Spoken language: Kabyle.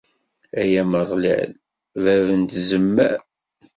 Ay Ameɣlal, bab n tzemmar.